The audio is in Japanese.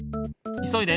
いそいで。